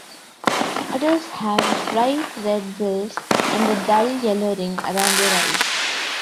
Adults have bright red bills and a dull yellow ring around their eyes.